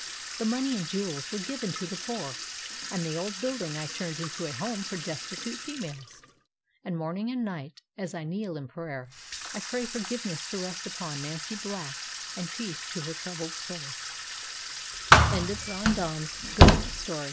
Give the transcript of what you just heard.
The money and jewels were given to the poor, and the old building I turned into a home for destitute females; and morning and night, as I kneel in prayer, I pray forgiveness to rest upon Nancy Black and peace to her troubled soul. A FIGHT WITH A GHOST.